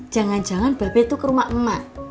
jangan jangan bebe tuh ke rumah emak